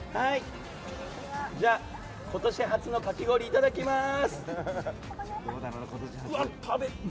じゃあ、今年初のかき氷いただきます！